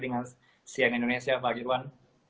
dengan cnn indonesia pak irwan